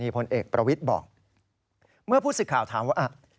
พลเอกประวิทย์บอกเมื่อผู้สิทธิ์ข่าวถามว่า